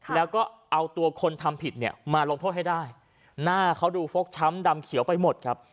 แล้วก็เอาตัวคนทำผิดเนี่ยมาลงโทษให้ได้หน้าเขาดูฟกช้ำดำเขียวไปหมดครับ